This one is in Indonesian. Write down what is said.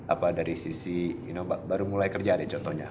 atau dari sisi baru mulai kerja ada contohnya